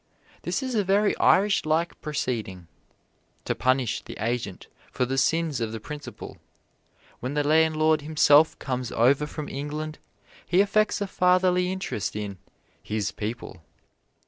This is a very Irish like proceeding to punish the agent for the sins of the principal. When the landlord himself comes over from England he affects a fatherly interest in "his people."